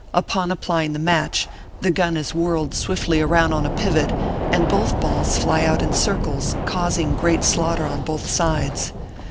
Upon applying the match, the gun is whirled swiftly round on a pivot, and both balls fly out in cir cles, causing great slaughter on both sides.